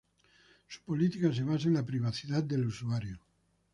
Su política se basa en la privacidad del usuario.